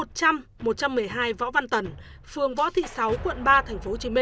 phường võ văn tẩn phường võ thị sáu quận ba tp hcm